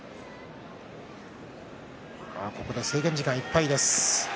ここで制限時間いっぱいです。